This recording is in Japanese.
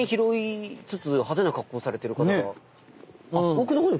奥の方に。